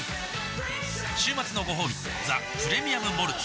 週末のごほうび「ザ・プレミアム・モルツ」